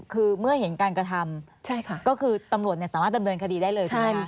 คือเมื่อเห็นการกระทำก็คือตำรวจสามารถดำเนินคดีได้เลยใช่ไหม